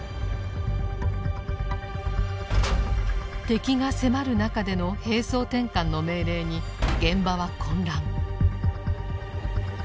敵が迫る中での「兵装転換」の命令に現場は混乱。